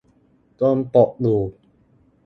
ตรงปกอยู่